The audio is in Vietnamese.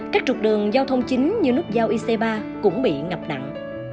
các trục đường giao thông chính như nút giao ic ba cũng bị ngập nặng